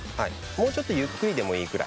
もうちょっとゆっくりでもいいくらい。